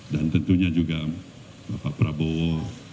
dan tentunya juga bapak prabowo